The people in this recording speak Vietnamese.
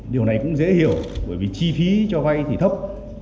điều này cũng dễ hiểu bởi vì chi phí cho vay thì thấp